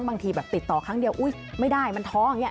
บางทีแบบติดต่อครั้งเดียวไม่ได้มันท้องเนี่ย